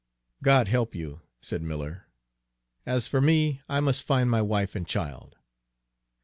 "God help you!" said Miller. "As for me, I must find my wife and child."